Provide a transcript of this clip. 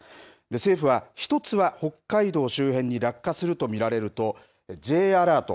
政府は１つは北海道周辺に落下すると見られるとＪアラート